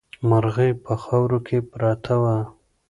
مرغۍ په خاورو کې پرته وه.